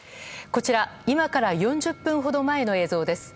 こちら今から４０分ほど前の映像です。